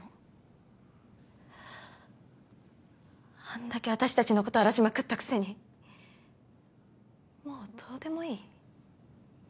あんだけ私たちのこと荒らしまくったくせにもうどうでもいい？